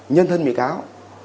nhân thân bị cáo